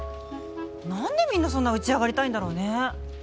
なんでみんなそんな打ち上がりたいんだろうね。